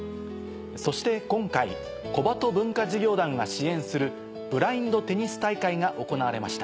そして今回小鳩文化事業団が支援するブラインドテニス大会が行われました。